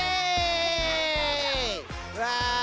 うわ。